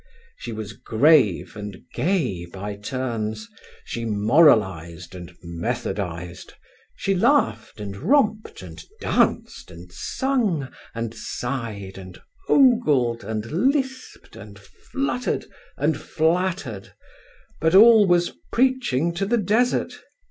She was grave and gay by turns she moralized and methodized she laughed, and romped, and danced, and sung, and sighed, and ogled, and lisped, and fluttered, and flattered but all was preaching to the desart.